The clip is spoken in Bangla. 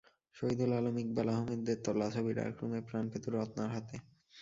শহিদুল আলম, ইকবাল আহমেদদের তোলা ছবি ডার্করুমে প্রাণ পেত রত্নার হাতে।